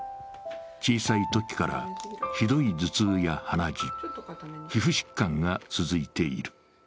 小さいときから、ひどい頭痛や鼻血皮膚疾患が続いている。